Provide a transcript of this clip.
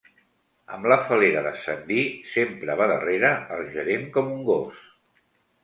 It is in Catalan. Amb la fal·lera d'ascendir, sempre va darrere el gerent com un gos.